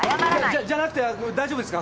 じゃじゃなくて大丈夫ですか？